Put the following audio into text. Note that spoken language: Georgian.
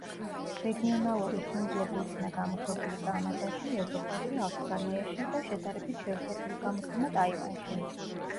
რეგიონალური სინგლები იქნა გამოშვებული კანადაში, ევროპაში, ავსტრალიაში, და შედარებით შევსებული გამოცემა ტაივანში.